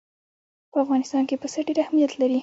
په افغانستان کې پسه ډېر اهمیت لري.